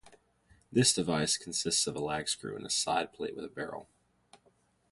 This device consists of a lag screw and a side plate with a barrel.